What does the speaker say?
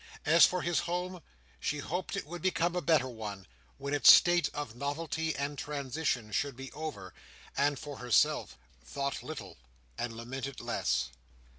As for his home, she hoped it would become a better one, when its state of novelty and transition should be over; and for herself, thought little and lamented less.